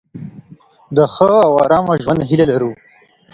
د ښه او آرامه ژوند هیله لرو.